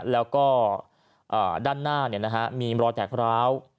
แล้วก็อะด้านหน้าเนี่ยนะฮะมีรถแหลกร้าว